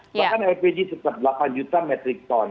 bahkan lpg tetap delapan juta metric ton